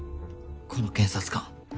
この検察官。